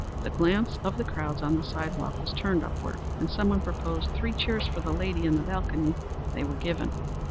The glance of the crowds on the sidewalk was turned upward, and someone proposed three cheers for the lady in the balcony. They were given.